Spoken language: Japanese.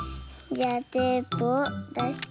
じゃあテープをだして。